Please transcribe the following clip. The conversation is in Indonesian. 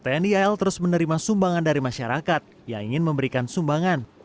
tni al terus menerima sumbangan dari masyarakat yang ingin memberikan sumbangan